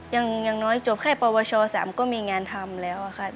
อย่างน้อยจบแค่ปวช๓ก็มีงานทำแล้วค่ะ